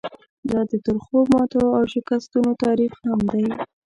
دا د ترخو ماتو او شکستونو تاریخ هم دی.